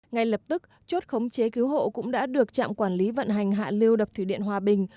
ngay lập tức chốt khống chế cứu hộ cũng đã được trạm quản lý vận hành hạ lưu đập thủy điện hòa bình